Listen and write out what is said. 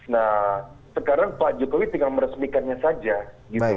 nah sekarang pak jokowi tinggal meresmikannya saja gitu